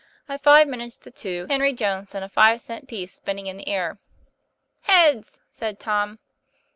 At five minutes to two, Henry Jones sent a five cent piece spinning in the air. "Heads!" said Tom.